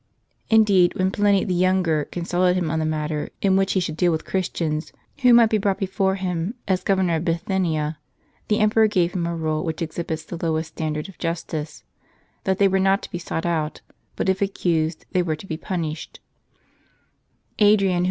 Indeed, when Pliny the younger consulted him on the manner in which he should deal with 13 w Christians, who might be brought before him as governor of Bithynia, the emperor gave him a rule which exhibits the lowest standard of justice: that they were not to be sought out ; but if accused, they were to be punished, Adrian, who St. Ignatius, bishop of Antioch.